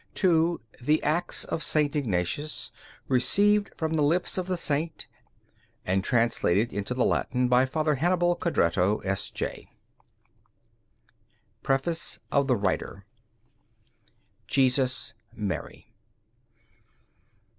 to the "Acts of St. Ignatius," received from the lips of the Saint and translated into Latin by Father Hannibal Codretto, S.J._ Preface of the Writer Jesus, Mary.